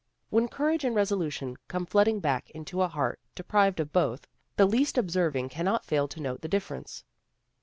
When courage and resolution come flooding back into a heart deprived of both the least observing cannot fail to note the difference.